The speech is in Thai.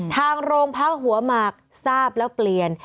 ทางโรงพักหัวหมากทราบแล้วเปลี่ยน